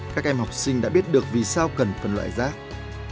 các em học sinh đã biết được vì sao cần phần loại rác thải